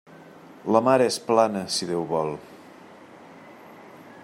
La mar és plana si Déu vol.